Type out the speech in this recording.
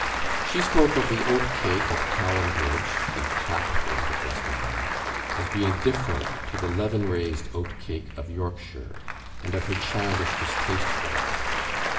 She spoke of the oat cake at Cowan Bridge (the clap bread of Westmorland) as being different to the leaven raised oat cake of Yorkshire, and of her childish distaste for it.